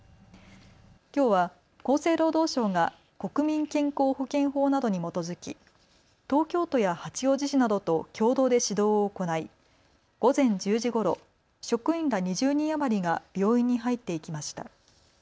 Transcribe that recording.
きょうは厚生労働省が国民健康保険法などに基づき東京都や八王子市などと共同で指導を行い午前１０時ごろ職員ら２０人余りが病院に入っていきました。